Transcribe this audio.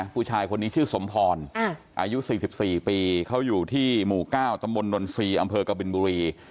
ผู้ชายคนนี้ชื่อสมพรอายุ๔๔ปีเขาอยู่ที่หมู่๙ตำบลนนทรีย์อำเภอกบินบุรี